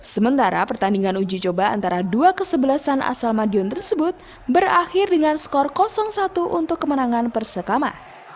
sementara pertandingan uji coba antara dua kesebelasan asal madiun tersebut berakhir dengan skor satu untuk kemenangan persekama